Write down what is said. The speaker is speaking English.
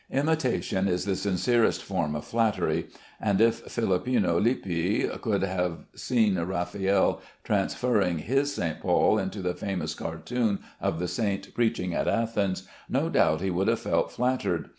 Imitation is the sincerest form of flattery, and if Philippino Lippi could have seen Raffaelle transferring his St. Paul into the famous cartoon of the saint preaching at Athens, no doubt he would have felt flattered.